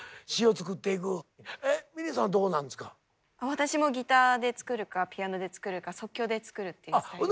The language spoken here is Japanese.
私もギターで作るかピアノで作るか即興で作るっていうスタイル。